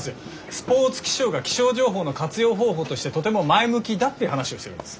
スポーツ気象が気象情報の活用方法としてとても前向きだっていう話をしてるんです。